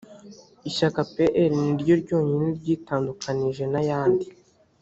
ishyaka pl ni ryo ryonyine ryitandukanije n’ayandi